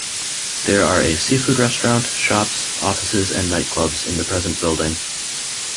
There are a seafood restaurant, shops, offices and nightclubs in the present building.